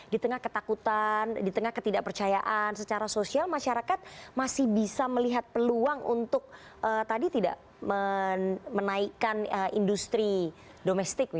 di tengah ketakutan di tengah ketidakpercayaan secara sosial masyarakat masih bisa melihat peluang untuk tadi tidak menaikkan industri domestik